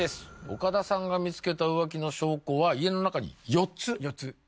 岡田さんが見つけた浮気の証拠は家の中に４つ４つ・４つ？